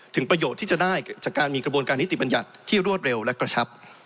ประโยชน์ที่จะได้จากการมีกระบวนการนิติบัญญัติที่รวดเร็วและกระชับ